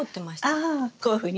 ああこういうふうに？